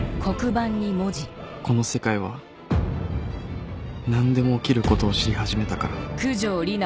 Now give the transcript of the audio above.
この世界は何でも起きることを知り始めたから